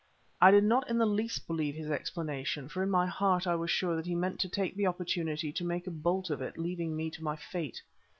I did not in the least believe his explanation, for in my heart I was sure that he meant to take the opportunity to make a bolt of it, leaving me to my fate.